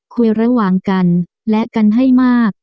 คุยระหว่างกันและกันให้มาก